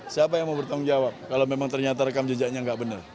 siapa yang mau bertanggung jawab kalau memang ternyata rekam jejaknya nggak benar